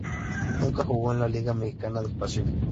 Nunca jugó en la Liga Mexicana del Pacífico.